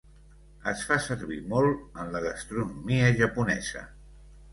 Es fa servir molt en la gastronomia japonesa.